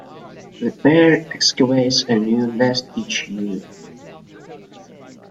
The pair excavates a new nest each year.